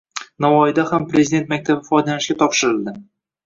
Navoiyda ham Prezident maktabi foydalanishga topshirildi